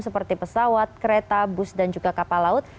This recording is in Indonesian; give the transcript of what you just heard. seperti pesawat kereta bus dan juga kapal laut